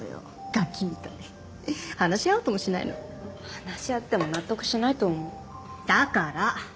ガキみたい話し合おうともしないの話し合っても納得しないと思うだから！